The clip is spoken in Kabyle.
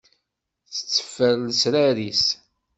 Tetteffer lesrar-is.